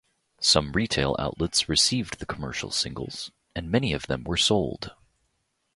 Some retail outlets received the commercial singles, and many of them were sold.